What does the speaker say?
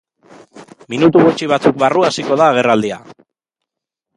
Minutu gutxi batzuk barru hasiko da agerraldia.